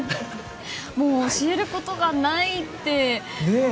もう教えることがないって。